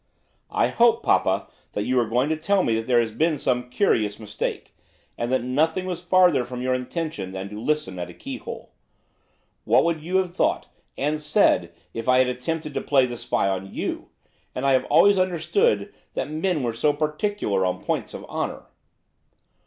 'I hope, papa, that you are going to tell me that there has been some curious mistake, and that nothing was farther from your intention than to listen at a keyhole. What would you have thought and said if I had attempted to play the spy on you? And I have always understood that men were so particular on points of honour.